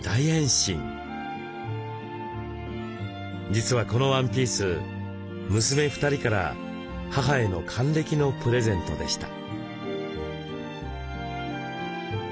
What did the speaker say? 実はこのワンピース娘２人から母への還暦のプレゼントでした。